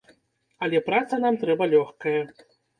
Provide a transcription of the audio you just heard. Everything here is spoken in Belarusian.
Але праца нам трэба лёгкая.